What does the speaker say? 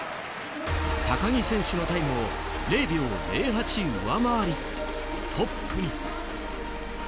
高木選手のタイムを０秒０８上回り、トップに。